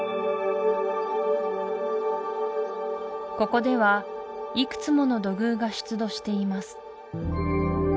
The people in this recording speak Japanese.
ここではいくつもの土偶が出土しています